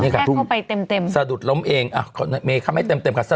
แค่แทกเขาไปเต็ม